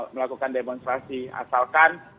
melakukan demonstrasi asalkan